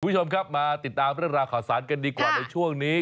คุณผู้ชมครับมาติดตามเรื่องราวข่าวสารกันดีกว่าในช่วงนี้